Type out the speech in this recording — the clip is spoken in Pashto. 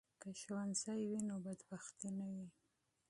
که ښوونځی وي نو بدبختي نه وي.